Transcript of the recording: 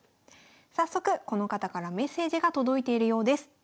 早速この方からメッセージが届いているようです。